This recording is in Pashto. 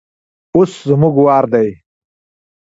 اوس زموږ وار دی.